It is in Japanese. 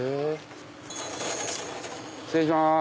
失礼します。